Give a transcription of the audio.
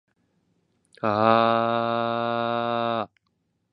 あああああああああああああああああああ